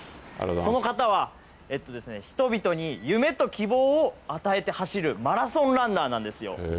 その方は、人々に夢と希望を与えて走るマラソンランナーなんですよ。